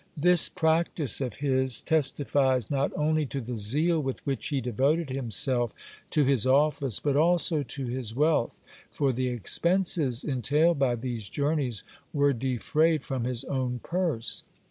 This practice of his testifies not only to the zeal with which he devoted himself to his office, but also to his wealth, for the expenses entailed by these journeys were defrayed from his own purse.